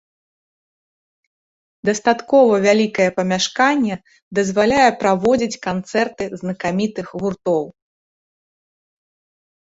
Дастаткова вялікае памяшканне дазваляе праводзіць канцэрты знакамітых гуртоў.